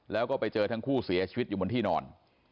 แล้วก็ไปเจอทั้งคู่เสียชีวิตอยู่บนที่นอน